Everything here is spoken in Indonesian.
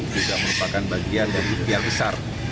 juga merupakan bagian dari ikhtiar besar